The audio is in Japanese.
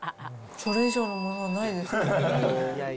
それ以上のものはないですね。